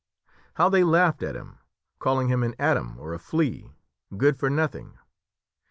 How they laughed at him, calling him an atom or a flea, good for nothing!